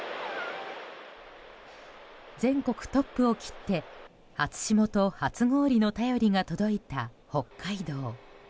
全国トップを切って初霜と初氷の便りが届いた北海道。